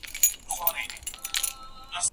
د توکو کمیت د بازار اړتیا ده.